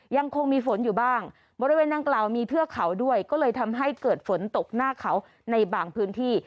ยังคงมีฝนอยู่บ้างบริเวณนางกล่าวมีเทือกเขาด้วยก็เลยทำให้เกิดฝนตกหน้าเขาในบางพื้นที่